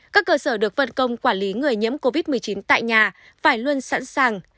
các cơ sở được văn công quản lý người nhiễm covid một mươi chín tại nhà phải luôn sẵn sàng